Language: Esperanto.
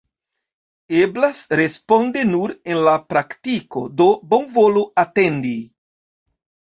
Eblas respondi nur en la praktiko, do bonvolu atendi.